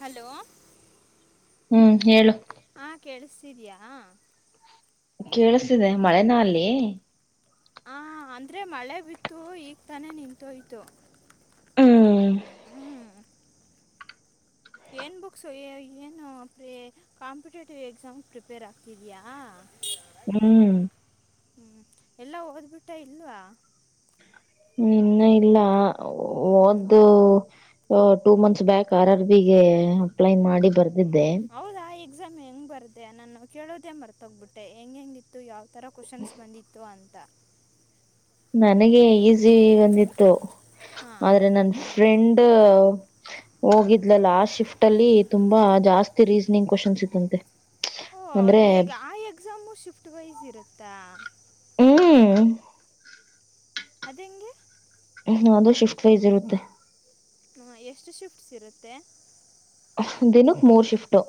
hello ಹ್ಮ್ ಹೇಳು ಹ ಕೇೇಳಸ್ತಿದಯ ಕೇಳಿಸತಿದೆ ಮಳೆನ ಅಲ್ಲಿ ಹ ಅಂದ್ರೆ ಮಳೆ ಬಿತ್ತು ಈಗ ತಾನೇ ನಿಂತುಯ್ತು ಹ ಏನು ಬುಕ್ಸು ಏನು ಪ್ರೇ ಕಾಂಪಿಟೇಟಿವ್ ಎಕ್ಸಾಮ್ ಪ್ರಿಪೇರ್ ಆಗ್ತಿದೆಯಾ ಹ್ಮ್ [unintelligible] ಎಲ್ಲಾ ಓದ್ಬಿಟ್ಟ ಇಲ್ವಾ ಇನ್ನ ಇಲ್ಲ ಹ್ಞೂ ಓದ್ದು [unintelligible] two months back R R B ಗೆ ಅಪ್ಲೈ ಮಾಡಿ ಬರ್ [unintelligible] ಹೌದಾ ಎಕ್ಸಾಮ್ ಹೆಂಗ್ ಬರ್ದೆ ನಾನು ಕೇಳೋದೇ ಮರ್ತೋಗ್ಬಿಟ್ಟೆ ಹೆಂಗ ಹೆಂಗಿತ್ತು ಯಾವ [unintelligible] ಥರ ಕ್ವಶನ್ಸ್ ಬಂದಿತ್ತು ಅಂತ ನನಗೆ ಈಸಿ ಬಂದಿತ್ತು ಹಾಂ ಆದ್ರೆ ನನ್ ಟ್ರೆಂಡ್ ಹೋಗಿದ್ಲಲ್ಲ ಆ ಶಿಫ್ಟ್ ಅಲ್ಲಿ ತುಂಬಾ ಜಾಸ್ತಿ ರೀಸನಿಂಗ್ ಕ್ನ್ [unintelligible] ತೆ ಓ ಈಗ ಆ ಎಕ್ಸಾಮು ಶಿಫ್ಟ್ ವೈಸ್ ಇರುತ್ತಾ ಹ್ಮ್ ಅದ ಹೆಂಗೆ ಹ್ಮ್ ಅದು ಶಿಫ್ಟ್ ವೈಸ್ ಇರುತ್ತೆ [unintelligible] ಎಷ್ಟು ಶಿಫ್ಟ್ಸ್ ಇರುತ್ತೆ ದಿನಕ್ಕೆ ಮೂರ್ ಶಿಫ್ಟು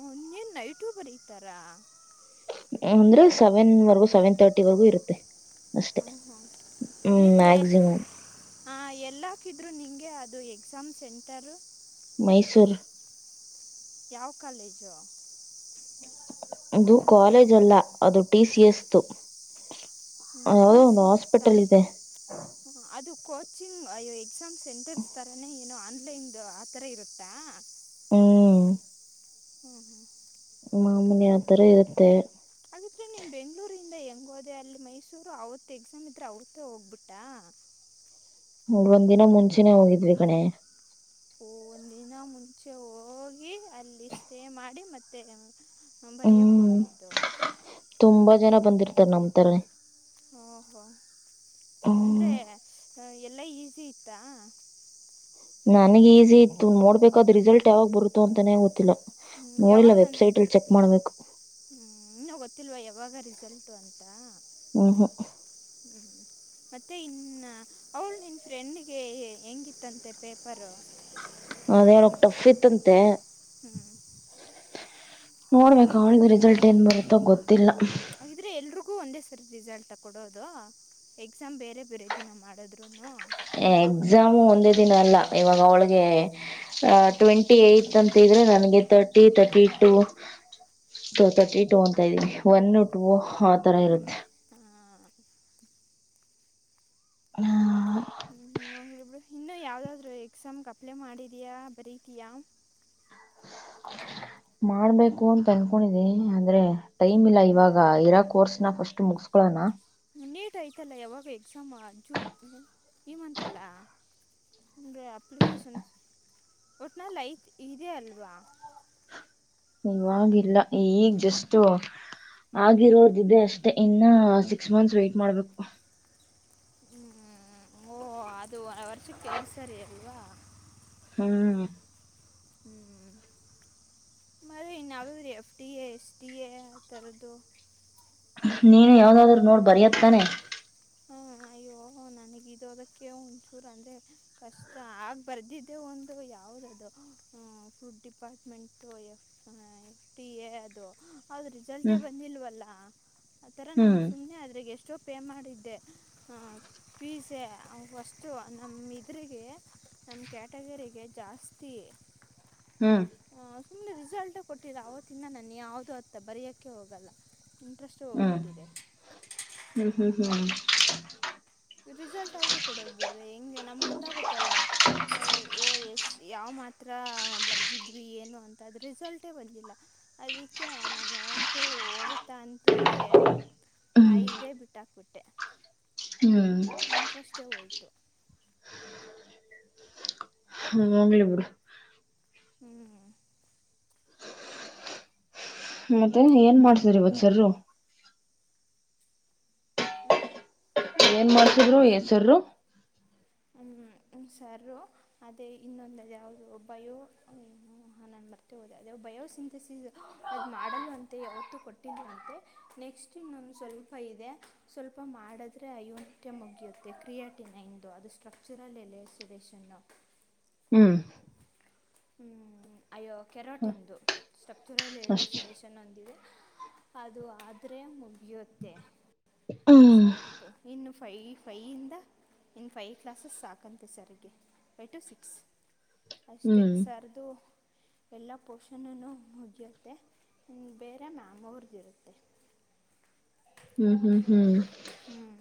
ಹನ್ನೇನ್ ನೈಟೂ ಬರತಾರ ಅಂದ್ರೆ ಸೆವೆನ್ ವರೆಗೂ ಸೆವೆನ್ ತರ್ಟಿ ವರೆಗೂ ಇರುತ್ತೆ ಅಷ್ಟೆ ಹ್ಮ್ ಹ್ಮ ಹ್ಮ್ ನಿನಗೆ ಮ್ಯಾಕ್ಸಿಮಮ್ ಹಾ ಎಲ್ಲ ಹಾಕಿದ್ರು ನಿಂಗೆ ಅದು ಎಕ್ಸಾಮ್ ಸೆಂಟರ್ ಮೈಸೂರು ಯಾವ ಕಾಲೇಜು ಇದು ಕಾಲೇಜ ಅಲ್ಲ ಅದು ಟಿ ಸಿ ಎಸ್ ದು ಹ್ಮ ಟಿ ಸಿ ಎಸ್ ಅಂದ್ರೆ ಅದು [unintelligible] ಕೋಚಿಂಗ್ ಅಯ ಎಕ್ಸಾಮ್ ಸೆಂಟರ್ಸ್ ತರಾನೇ ಏನೋ ಆನ್ಲೈನ್ ಆತರ ಇರುತ್ತಾ ಹ್ಮ ಹ್ಮ್ ಹ್ಮ್ [inaudible] [unintelligible] ಮಾಮೂಲಿ ಆ ತರ ಇರುತ್ತೆ ಹಾಗಿದ್ರೆ ನೀನ್ ಬೆಂಗ್ಗಳೂರು [unintelligible] ದ ಹೆಂಗೋದೆ ಅಲ್ಲಿ ಮೈಸೂರು ಅವತ್ ಎಕ್ಸಾಮ್ ಇದ್ರೆ ಅವ್ರತ್ತೇ ಹೋಗ್ಬಿಟ್ಟಾ ಒಂದ್ ದಿನ ಮುಂಚೆನೇ ಹೋಗಿದ್ವಿ ಕಣೆ [unintelligible] ಒಂದ ದಿನ ಮುಂಚೆ ಹೋಗಿ ಅಲ್ಲಿ ಸ್ಟೇ ಮಾಡಿ ಮತ್ತೆ ಹ್ಮ್ ಬರೆಯೋಕ್ಕೆ ಹೋಗಿದ್ದು ತುಂಬಾ ಜನ ಹ್ಞೂ ಬಂದಿರ್ತಾರೆ ನಮತರ ಓಹೋ ಅಂದ್ರೆ ಹ್ಮ್ ಎಲ್ಲ ಈಸಿ ಇತ್ತಾ ನನಗ್ ಈಸಿ ಇತ್ತು ನೋಡ್ಬೇಕಾದ್ ರಿಸಲ್ಟ್ ಯಾವಾಗ ಬರುತ್ತೋ ಅಂತಾನೇ ಗೊತ್ತಿಲ್ಲ ಹ್ಮ್ ನೋಡಿಲ್ಲ ಯಾವಾಗ [unintelligible] ವೆಬ್ಸೈಟ್ ಅಲ್ಲಿ ಚೆಕ್ ಮಾಡ್ಬೇಕು ಹ್ಮ್ ಇನ್ನ ಗೊತ್ತಿಲ್ವಾ ಯಾವ ಯಾವಗ ರಿಸಲ್ಟ್ ಅಂತ ಹ್ಮ ಹಾ [unintelligible] ಹ್ಮ್ ಮತ್ತೆ ಇನ್ನ ಅವಳ ನಿನ್ ಫ್ರೆಂಡ್ಗೆ ಹೆಂಗಿತ್ತಂತೆ ಪೇಪರ್ ಅದ್ ಹೇಳಕ್ ಟಫ್ ಇತ್ತಂತೆ ಹ್ಮ್ ನೋಡ್ಬೇಕಕ್ ಅವಳಿಗೆ ರಿಸಲ್ಟ್ ಏನ್ ಬರುತ್ತೋ ಗೊತ್ತಿಲ್ಲ ಹಾಗಿದ್ರೆ ಎಲ್ರಿಗೂ ಒಂದೇ ಸರ ರಿಸಲ್ಟ್ ಕೊಡೋದು ಎಕ್ಸಾಮ್ ಬೇರೆ ಬೇರೆ ದಿನ ಮಾಡದ್ರುನು ಎಕ್ಸಾಮು ಒಂದೇ ದಿನ ಅಲ್ಲ ಇವಾಗ ಅವಳಿಗೆ ಟ್ವೆಂಟಿ ಏತ್ ಅಂತ ನನ್ಗೆ thirty thirty two to thirty two ಅಂತ ಇದ್ದೀನಿ ಒನ್ ಆ ತರ ಇರುತ್ತೆ ಹೋಗ್ಲಿಬಿಡು ಹ್ಮ ಬಿ ಇನ್ನು ಯಾವ್ದಾದ್ರು ಎಕ್ಸಾಮ್ಗೆ ಕಪ್ಲಲೆ ಮಾಡಿದ್ಯಾ ಬರತಯಾ ಮಾಡ್ಬೇಕು ಅಂತ ಅನ್ಕೊಂಡಿದಿ ಅಂದ್ರೆ ಟೈಮ್ ಇಲ್ಲ ಇವಾಗ ಇರಾ ಕೋರ್ಸ್ನ ಫಸ್ಟ್ ಮುಗಸ್ಕೊಳೋನಾ ನೀಟ್ ಆಯ್ತಲ್ಲ ಯಾವಾಗ ಎಕ್ಸಾಮ ಜ ಇಂತಂತಲ್ಲ ಎಪ್ಲಿಕೇಶನ್ ಒಟ್ನ ಲಐಟ್ ಇದೆ ಅಲ್ವಾ ಇವವಾಗಿಲ್ಲ ಈಗ್ ಜಸ್ ಆಗಿರೋದ್ದೆ ಅಷ್ಟೆ ಇನ್ನ ಸಿಕ್ಸ್ ಮಂತ್ಸ್ ವೈ್ಟಟ್ ಮಾಡ್ಬೇಕು ಹ್ಮ್ ಓ ಅದು ವರ್ಷಕ್ಕೆೇಳ್ಸರಿ ಅಲ್ವಾ ಹ್ಮ್ ಹ್ಮ್ ಮ ಇನ್ನಡ ರೀ F T A S T A ಥರದ್ದು ನೀನು ಯಾವ್ದಾದ್ರರು ನೋಡ್ ಬರಿತ್ತತಾನೆ ಹಾ ಅಯ್ಯೋ ನನಗ ಇ ಅದಕ್ಕೆ ಒಂಚೂರು ಅಂದ್ರೆ ಕಷ್ಟ ಆಗ ಬರ್ದಿದ್ದೆ ಒಂದು ಯಾವ್ದದು food department F T A ಅದು ಹೌದ್ ರಿಸಲ್ಟೇ ಹ್ಮ್ ಬಂದಿಲ್ವಲ್ಲಾ ಆತರ ನಂ್ ಹ್ಮ್ ಸುಮನೆ ಆದದ್ರಗ್ ಎಷ್ಟೋ ಪೇ ಮಾಡಿದ್ದ ಪಸೆ ವಸ್ತು ನಮ್ಮ ಇದ್ರರಿಗೆ ನಮ್ಮ ಕ್ಯಾಟಗರಿ ರಿಗೆಜಾಸ್ತಿಯೇ ಹ್ಮ್ ತುಮ ರಿಸಲ್ಟ ಕೊಟ್ಟರ ಆವತ್ತಿಂದ ನಾನು ಯಾವುದು ಅತ್ತ ಬರಯೋಕ್ಕೆ ಹೋಗಲ್ಲ ಇಂಟ್ರೆಸ್ಟೇ ಹೋಗ್ಬಿಟ್ಟಿದೆ ಹ್ಮ ಹ ಹ್ಞೂ ರಿಸಲ್ಟ್ ಆದ್ರರು ಕೊಡೋದು ಬಿಡ್ರ ಹೆಂಗೆ ನಮ್ಗೆ ಗೊತ್ತಾಗತ್ತಲ್ಲ ಯಾವ ಮಾತ್ರ ಬರೆದಿದ್ವಿ ಏನು ಅಂತ ರಿಸಲ್ಟೇ ಬಂದಿಲ್ಲ ಅದಕ್ಕೆ ನಾನು ದು ಹೋಗತ್ತ ಅಂಂತೇಳಿ ಹ್ಮ್ ಐದೇ ಬಿಟ್ಟಾಕ್ಬಿಟ್ಟೆ ಹ್ಮ್ ಇಂಟ್ರಸ್ಟೆ ಯೋತು ಹ್ಮ ಹೋಗ್ಲಿಬಿಡು ಹ್ಮ್ ಮತ್ತೆ ಏನ್ ಮಾಡ್ತರೆ ಇವತ್ತು ಸರ್ ಹ್ಞೂ ಏನ್ ಮಾಡ್ಸಿದ್ರು ಸರ್ ರು ಹ್ಮ್ ನಮ್ ಸಾರು ಅದೇ ಇನ್ನೊಂದು ಯಾವ್ದದು ಬಯೋ ನಾನು ಮರತೇ ಹೋದೆ ಅದು ಬಯೋ ಬಯೋಸಿಂಥಸಿಸ್ ಅದ್ ಮಾಡಲವ ಅಂತೆ ಯಾವತ್ತು ಕೊಟ್ಟಲ್ ಅಂತೆ ನೆಕ್ಸ್ಟ್ ಇನೊಂದು ಸ್ವಲ್ಪ ಇದೆ ಸ್ವಲ್ಪ ಮಾಡಿದ್ರೆ ಅಐನಟ ಮುಗಿಯುತ್ತೆ ಕ್ರಿಯಾಟಿನ ಇಂದು ಅ ಸ್ಟ್ರಕ್ಚುರಲ್ ಎಲೆಸ್ಡೇಷನ್ ಹ್ಮ್ ಹ್ಮ್ ಅಯ್ಯೋ ಕೆರಾಟ ಇಂದು ಸ್ಟಕ್ಚೂರಲ್ಲಿ ಎ ಅಷ್ಟೇ ಸಡೇಶನ್ ಒಂದಿದೆ ಅದು ಆದ್ರೆ ಮುಗಿಯುತ್ತೆ ಹ್ಮ್ ಸರಿದುು ಇನ್ನು ಫೈ ಫೈಯಿಂದ ಇನ್ನು ಫೈ ಕ್ಲಾಸಸ್ ಸಾಕಂತೆೆ ಸರ್ಗೆ ಫೈವ ಟು ಸಿಕ್ಸ್ ಅಷ್ಟೆ ಹ್ಮ್ ಸರ್ದುು ಎಲ್ಲಾ ಪೋಷಣನು ಮುಜಿಯುತ್ತೆ ಬೇರೆ ಮ್ಯಾಮ್ ಅವರ್ ಇರುತ್ತೆ [inaudible] ಹ್ಮ್ ಹ್ಮ್ ಹ್ಮ್ ಹ್ಮ್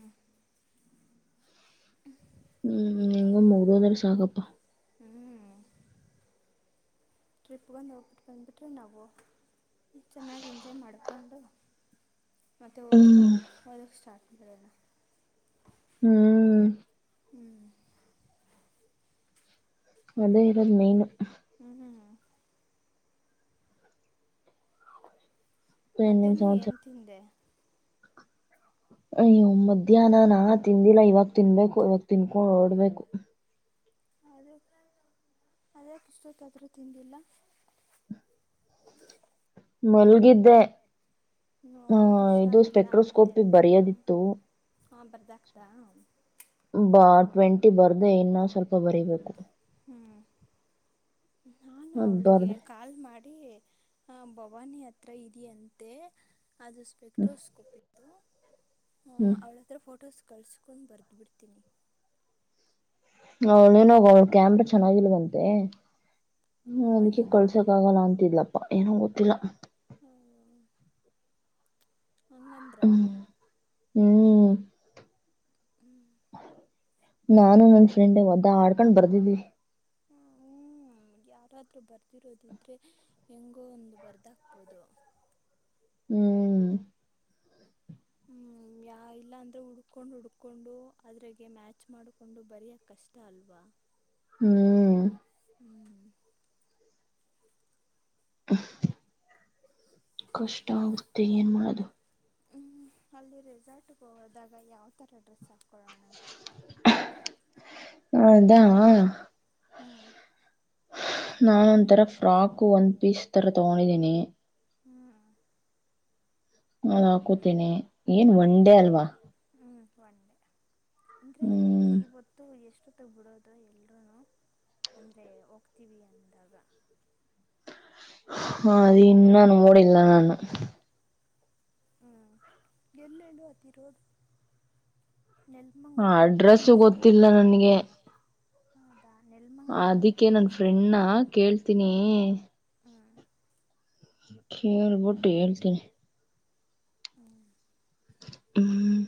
ಹ್ಮ್ ಹೆಂಗೋ ಮುಗುದದ ಅಲ್ಲ ಸಾಕಪ್ಪ ಹ್ಞೂ ಟ್ರಿಪ್ಗೊಂದ್ ಹೋಗ್ಬಿಟ್ಟು ಬಂದುಬಿಟ್ರೆ ನಾವು ಚೆನ್ನಾಗಿ ಎಂಜಾಯ್ ಮಾಡ್ಕೊಂಡು ಮತ್ತೆ ಹ್ಮ್ ಓದ್ಕೊಳ್ಳೋಣ ಓದಕ್ಕೆ ಸ್ಟಾರ್ಟ್ ಮಾಡೋಣ ಹ್ಮ್ ಹ್ಮ್ ಅದೇ ಇರೋದ್ ಮೇನ್ ಹ್ಮ್ ಹ್ಮ್ ಇನ್ನೇನ್ ಮಧ್ಯಾಹ್ನ ಏನ್ ಸಮಾಚಾರ ತಿಂದೆ ಅ ಮಧ್ಯಾಹ್ನ ನಾ ತಿಂದಿಲ್ಲ ಇವಾಗ ತಿನ್ಬೇಕು ಇವಾಗ ತಿನ್ಕೊಂಡ ಹೊರಡಬೇಕು ಅದ ಅದಕ್ಕೆ ಇಷ್ಟೊತ್ತಾದ್ರೂ ತಿಂದಿಲ್ಲ ಮಲ್ಗಿದ್ದೆ ವೋ ಆ ಹೌದ ಇದು ಹುಷಾರಿಲ್ಲ ಅಂತ ಸ್ಪೆಕ್ಟ್ರೋಸ್ಕೋಪಿಗೆ ಹೇಳ್ದಲ್ವ ಬರೆಯೋದಿತ್ತು ಹಾ ಬರ್ದಾಗ್ತಾ ಬಾ ಟ್ವೆಂಟಿ ಬರ್ದೆ ಇನ್ನೂ ಸ್ವಲ್ಪ ಬರಿಬೇಕು ಹ್ಮ್ ನಾನು ಅದ್ ಅವಳಿಗೆ ಬರ್ದೆ ಕಾಲ್ ಮಾಡಿ ಹ ಭವಾನಿ ಹತ್ರ ಇದೆಯಂತೆ ಅದು ಹ್ಮ್ ಸ್ಪೆಕ್ಟ್ರೋಸ್ಕೋಪ್ ಇತ್ತು ಹ ಹ್ಮ್ ಅವಳ ಹತ್ರ ಫೋಟೋಸ್ ಕಳ್ಸ್ಕೊಂಡು ಬರ್ದ ಬಿಿಡ್ತೀನಿ ಅವಳೇನೋಗ ಅವ್ಳ ಕ್ಯಾಮ್ರ ಚೆನ್ನಾಗಿಲ್ವಂತೆ ಹ್ಮ ಅದಕೆ ಭವಾನಿದಾ ಕಳ್ಸೋಕ್ ಆಗಲ್ಲ ಅಂತಿದ್ಲಪ್ಪ ಏನೋ ಗೊತ್ತಿಲ್ಲ ಹಂಗಂದ್ರ ಹ್ಮ್ ಹ್ಮ್ ನಾನು ನನ್ ಫ್ರೆಂಡ್ ಓದ್ದಾಡ್ಕೊಂಡ್ ಬರ್ದಿದಿವಿ ಹಾ ಹ್ಮ್ ಯಾರಾದ್ರೂ ಬರ್ದಿರೋದಿದ್ರೆ ಹೆಂಗೋ ಒಂದು ಬರ್ದ ಹಾಕ್ಬೋದು ಹ್ಮ್ ಹ್ಮ್ ಯಾ ಇಲ್ಲ ಅಂದ್ರೆ ಹುಡ್ಕೊಂಡು ಹುಡ್ಕೊಂಡು ಅದ್ರಾಗ ಮ್ಯಾಚ್ ಮಾಡಿಕೊಂಡು ಬರೆಯೋ ಕಷ್ಟ ಅಲ್ವಾ ಹ್ಮ್ ಹ್ಞೂ [unintelligible] ಕಷ್ಟ ಆಗುತ್ತೆ ಏನ್ ಮಾಡೋದು ಹ್ಮ್ ಅಲ್ಲಿ ರೆಸಾರ್ಟ್ಗೆ ಹೋದಾಗ ಯಾವ ತರ ಓ ಅದಾ ಹ್ಮ್ ನಾನ ಒಂಥರ ಫ್ರಾಕ್ ಒಂದ್ ಪೀಸ್ ತರ ತಗೊಂಡಿದೀನಿ ಹ್ಮ್ ನಾನ ಹಾಕೋತಿನಿ ಏನ್ ಒನ್ ಡೇ ಅಲ್ವಾ ಹ್ಮ ಒಂಡೆ ಅಂದ್ರೆ ಹ್ಮ್ ಇವತ್ತು ಎಷ್ಟು ಹ ಬಿಡೋದು ಎಲ್ರೂ ಅಂದರೆ ಹೋಗ್ತೀವಿ ಅಂದಾಗ ಹ ಅದು ಇನ್ನಾ ನೋಡಿಲ್ಲ ನಾನು ಹ್ಮ್ ಗೆಲ್ಲೆಡುು ಹತ್ತರೋದು ಹ ಅಡ್ರೆಸ್ಸ ಗೊತ್ತಿಲ್ಲ ನನ್ಗೆ ಹೌದಾ ನೆಲಮಂಗಲ ಅಂತ ಅದಕ್ಕೆ ನನ್ ತೋರಿಸ್ತು ಫ್ರೆಂಡ್ನಾ ಕೇಳ್ತೀನಿ ಹ್ಞೂ ಕೇಳ್ ಬಿಟ್ಟು ಹೇಳ್ತೀನಿ [unintelligible] ಹ್ಮ್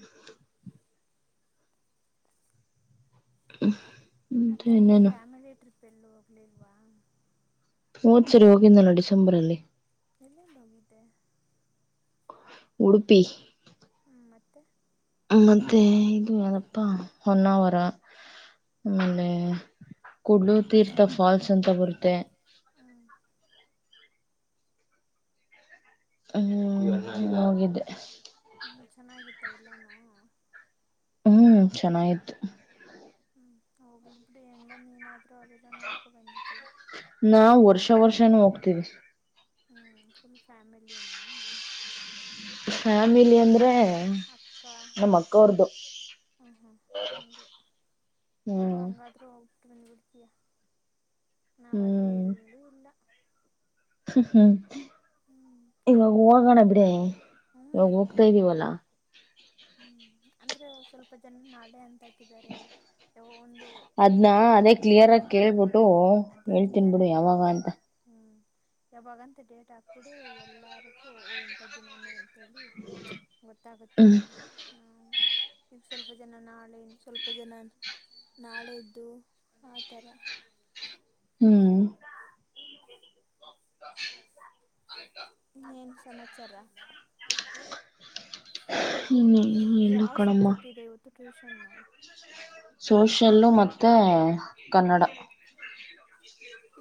ಹ್ಮ ಮತ್ತೆ ಮತ್ತು ಅಂದರೆ ಇನೇನು ಫ್ಯಾಮಿಲಿ ಟ್ರಿಪ್ ಎಲ್ಲೂ ಹೋಗ್ಲಿಲ್ವಾ ಹೊದ್ಸಾರಿ ಹೋಗಿಡ್ನಲ್ಲ ಡಿಸೆಂಬರ್ ಅಲ್ಲಿ ಎಲ್ಲೆಲ್ಲಿ ಹೋಗಿದ್ದೆ ಉಡುಪಿ ಮತ್ತು ಮತ್ತೆ ಇದು ಯನಪ್ಪಾ ಹೊನ್ನಾವರ ಆಮೇಲೆ ಕುಡ್ಲು ತೀರ್ಥ ಫಾಲ್ಸ್ ಅಂತ ಬರುತ್ತೆ ಹ್ಮ್ ಹೋಗಿದ್ದೆ ಹ್ಮ ಚೆನ್ನಾಗಿದ್ದ ಎಲ್ಲಾನೂ ಹ್ಮ್ ಚೆನ್ನಾಯತು ಹ್ಮ್ ಹೋಗ ಇಬಡ ಎಂಗ ನೀನಾದ ತ್ರ ಅಭಿಂದು ಒಕ ಬಂದತಾ ನಾವ್ ವರ್ಷ ವರ್ಷನೂ ಹೋಗ್ತೀವಿ ಹ್ಞೂ ಫುಲ್ ಫ್ಯಾಮಿಲಿನಾ ಫ್ಯಾಮಿಲಿ ಅಂದರೆ ನಮ್ಮ ಅಕ್ಕವ್ರ್ದು ಹಾಂ ಹಾಂ ಹಾಗೆ ಹೆಂಗೋ ಹ್ಮ್ ಹಂಗಾದ್ರೂ ಹಟ್ಟ ಬಂದು ಉಳಿತಯ ನಾವಾದ್ರೆ ಎಲ್ಲೂ ಇಲ್ಲ ಹ್ಮ್ ಹ್ಮ್ ಹ್ಞೂ ಇವಾಗ ಹೋಗೋಣ ಬಿಡೇ ಇವಾಗ ಹ್ಞೂ ಹೋಗ್ತಾ ಇದ್ದೀವಲ್ಲ ಹ್ಮ್ ಅಂದ್ರೆ ಸ್ವಲ್ಪ ಜನ ನಾಳೆ ಅಂತ ಹಾಕಿದ್ದಾರೆ ಒಂದು ಅದ್ನ್ನ ಒಂದು ಡೇ ಅದೇ ಕ್ಲಿಯರ್ ಆಗಿ ಕೇಳ್ಬಿಟ್ಟು ಅದೇ ಕ್ಲಿಯರ್ ಹೇಳ್ತಿನ್ಬಿಡು ಆಗಿ ಯ ಯವಾಗ ಕೇಳಿ ಅಂತ ಹ್ಮ್ ಯಾವಾಗಂತ ಡೇಟ್ ಅಪ್ಪಡು ಎಲ್ಲಾರ್ಗೂ ಇಂತ ದಿನಾನೇ ಟಲ್ಲಿಿ ಗಟಾತೆ ಹ್ಮ್ ಹ ಈಗ ಸ್ವಲ್ಪ ಜನ ನಾಳಿಂದ ಸ್ವಲ್ಪ ಜನ ನಾಳ್ದು ಆ ಥರ ಹ್ಮ್ ಇನ್ನೇನು ಸಮಾಚಾರ ಇನ್ನು ಇಲ್ಲ ಯಾವ ಕಣಮ್ಮ ಸಬ್ಜೆಕ್ಟ್ ಇದೆ ಇವತ್ತು ಟ್ಯೂಷನ್ನು ಸೋಷಲ್ ಮತ್ತೆ ಕನ್ನಡ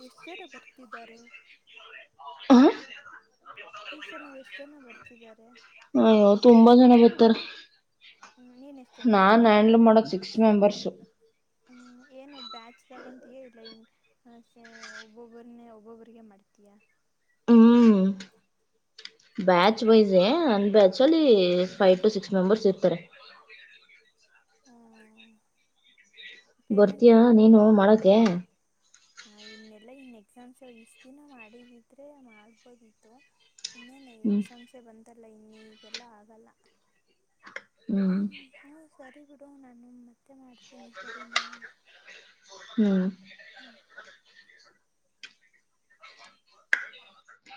ಎಷ್ಟೇರ ಬರ್ತಿದಾರೆ ಹ್ಮ ಟ್ಯೂಷನ್ ಗೆ ಎಷ್ಟ್ ಜನ ಬರ್ತಿದ್ದಾರೆ ಹ ತುಂಬಾ ಜನ ಬರ್ತಾರ ಹ್ಮ್ ನೀನ್ ಎಷ್ಟು ಜನಕ್ಕೆ ನಾನ್ ಮಾಡ್ತೀಯ ಹ್ಯಾಂಡಲ್ ಮಾಡದ ಸಿಕ್ಸ್ ಮೆಂಬರ್ಸು ಹ್ಮ್ ಏನ್ ಬ್ಯಾಟ್ಸ್ ತಗೊತಯ ಇಲ್ಲ ಇನ್ ಒಬ್ಬೊಬ್ಬ್ರನ್ನ ಒಬ್ಬೊಬ್ಬಿಗೆ ಮಾಡ್ತೀಯಾ ಹ್ಮ್ ಬ್ಯಾಚ್ ವೈಸ್ ನನ್ ಬ್ಯಾಚ್ ಅಲ್ಲಿ ಫೈವ್ ಟು ಸಿಕ್ಸ್ ಮೆಂಬರ್ಸ್ ಇರ್ತಾರೆ [unintelligible] ಪೇಮೆಂಟ್ ಬರ್ತೀಯಾ ನೀನು ಮಾಡಕೆ ಹ ಇನ್ನೆಲ್ಲಾ ಇನ್ ಎಕ್ಸಾಮ್ಸ್ ಇಷ್ಟ ದಿನ ಮಾಡಿದಿದ್ರೆ ಮಾಡ್ಬೋದಿತ್ತು ಇನ್ನೇನು ಹ್ಮ್ ಎಕ್ಸಾಮ್ಸೆ ಬಂತಲ್ಲ ಇನ್ನ ಈಗೆಲ್ಲ ಆಗಲ್ಲ ಹ್ಮ್ ಗ ಗಡ ನಮ್ಮತ್ತೆ ಹ್ಮ್ ಹ್ಮ್